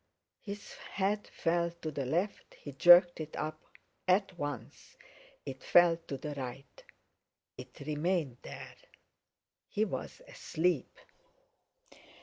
His head fell to the left, he jerked it up at once; it fell to the right. It remained there; he was asleep.